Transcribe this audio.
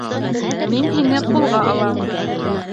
Мин һине ҡулға алам.